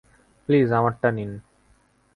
Please, আমারটা নিন।